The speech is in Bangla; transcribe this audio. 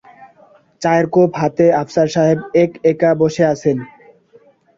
চায়ের কোপ হাতে আফসার সাহেব এক-একা বসে আছেন।